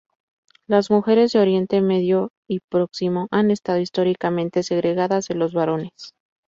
Las mujeres de Oriente Medio y Próximo han estado históricamente segregadas de los varones.